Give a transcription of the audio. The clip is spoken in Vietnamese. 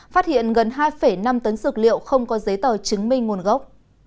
phát hiện gần hai năm tấn dược liệu không có giấy tờ chứng minh nguồn gốc